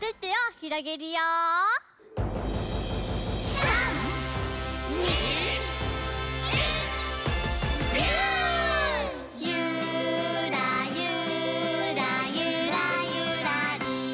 「ゆーらゆーらゆらゆらりー」